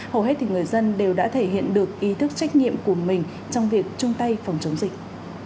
hầu hết người dân đều đã thể hiện được ý thức trách nhiệm của mình trong việc chung tay phòng chống dịch